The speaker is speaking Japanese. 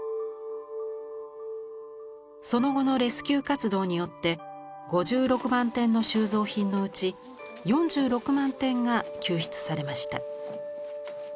その後のレスキュー活動によって５６万点の収蔵品のうち４６万点が救出されました。